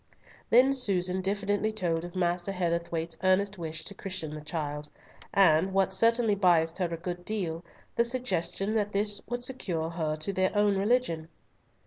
Then Susan diffidently told of Master Heatherthwayte's earnest wish to christen the child, and, what certainly biased her a good deal, the suggestion that this would secure her to their own religion.